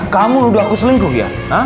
kamu udah aku selingkuh ya